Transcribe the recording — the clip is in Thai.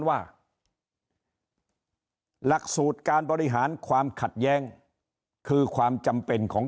ว่าหลักสูตรการบริหารความขัดแย้งคือความจำเป็นของ